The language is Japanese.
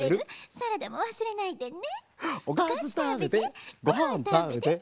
「サラダもわすれないでね」